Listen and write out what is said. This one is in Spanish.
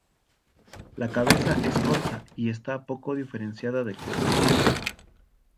La cabeza es corta y esta poco diferenciada del cuello.